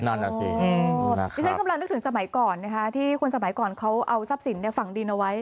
นั่นน่ะสิดิฉันกำลังนึกถึงสมัยก่อนนะคะที่คนสมัยก่อนเขาเอาทรัพย์สินฝั่งดินเอาไว้